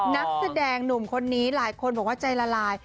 นักแสดงหนุ่มคนนี้หลายคนบอกว่าใจละลาย